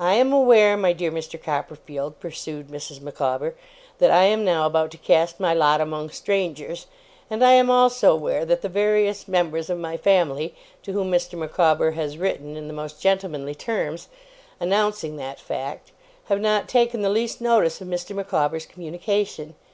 'I am aware, my dear Mr. Copperfield,' pursued Mrs. Micawber, 'that I am now about to cast my lot among strangers; and I am also aware that the various members of my family, to whom Mr. Micawber has written in the most gentlemanly terms, announcing that fact, have not taken the least notice of Mr. Micawber's communication.